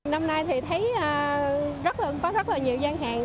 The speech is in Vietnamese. năm nay thì thấy có rất là nhiều gian hàng